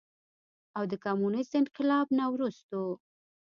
او د کميونسټ انقلاب نه وروستو